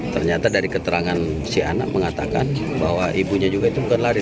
ternyata dari keterangan si anak mengatakan bahwa ibunya juga itu bukan lari